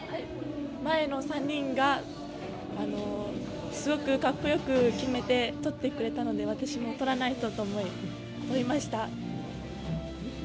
前の３人がすごく、かっこよく決めてとってくれたので私もとらないとと思い